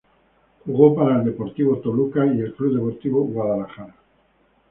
Jugó para el Deportivo Toluca y el Club Deportivo Guadalajara.